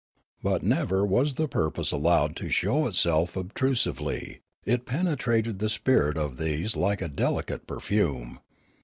But never was the purpose allowed to show itself obtrus ively ; it penetrated the spirit of these like a delicate perfume.